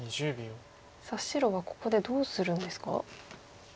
白はここでどうするんですか？